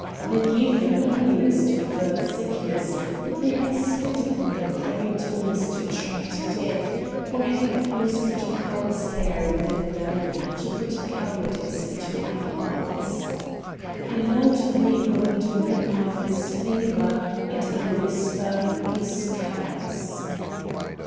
They gave them amulets to avert sickness; but they had spit upon them three times to attract death, or had enclosed jackal's hair within them to put cowardice into their hearts. Aloud, they invoked Melkarth's favour, and in a whisper, his curse.